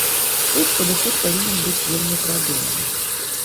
Тут падыход павінен быць вельмі прадуманы.